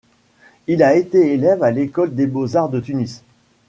Il a été élève à l'École des beaux-arts de Tunis.